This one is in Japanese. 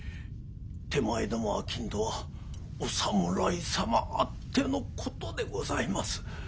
手前ども商人はお侍様あってのことでございます。